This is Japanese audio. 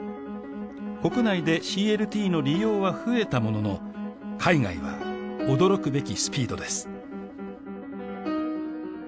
国内でＣＬＴの利用は増えたものの海外は驚くべきスピードです